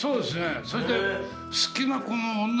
それで。